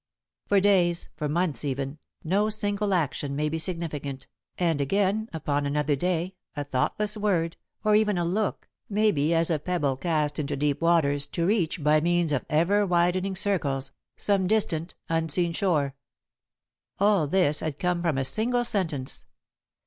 For days, for months even, no single action may be significant, and again, upon another day, a thoughtless word, or even a look, may be as a pebble cast into deep waters, to reach, by means of ever widening circles, some distant, unseen shore. [Sidenote: The One Affected] All this had come from a single sentence.